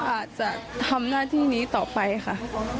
อาจจะทำหน้าที่นี้ต่อไปค่ะ